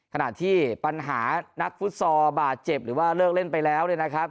ขนาดที่ปัญหานักฟุตซอร์บาดเจ็บหรือว่าเลิกเล่นไปแล้ว